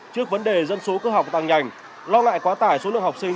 trước vấn đề dân số cơ học tăng nhanh lo lại quá tải số lượng học sinh